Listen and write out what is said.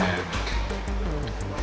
mas boleh gak